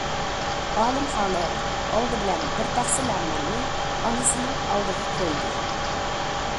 ئالىم خالىق ئالدى بىلەن بىر تەخسە لەڭمەننى ئانىسىنىڭ ئالدىغا قويدى.